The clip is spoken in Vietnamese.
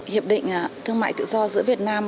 hiệp định thương mại tự do giữa việt nam